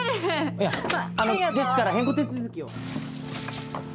いやあのですから変更手続きを。